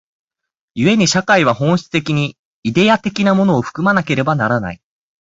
故に社会は本質的にイデヤ的なものを含まなければならない。